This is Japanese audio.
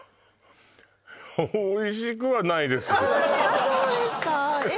おいしくはないですあっ